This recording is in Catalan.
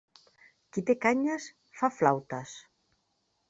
Qui té canyes fa flautes.